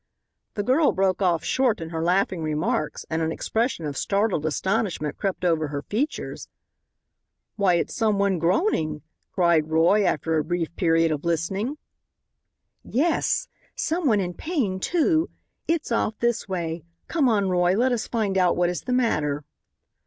The girl broke off short in her laughing remarks and an expression of startled astonishment crept over her features. "Why, it's some one groaning," cried Roy, after a brief period of listening. "Yes. Some one in pain, too. It's off this way. Come on, Roy, let us find out what is the matter."